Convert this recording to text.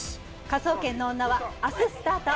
『科捜研の女』は明日スタート。